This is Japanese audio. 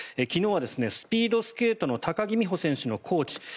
昨日はスピードスケートの高木美帆選手のコーチ